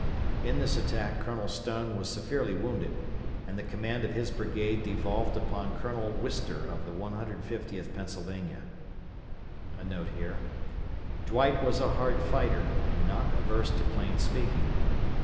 * In this attack Colonel Stone was severely wounded, and the command of his brigade devolved upon Colonel Wister of the 150th Pennsylvania. [* Dwight was a hard fighter, and not averse to plain speaking.